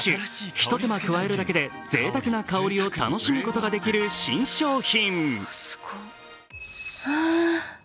ひと手間加えるだけでぜいたくな香りを楽しむことができる新商品。